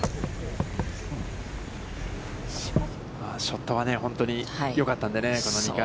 ショットは、本当によかったんでね、この２回。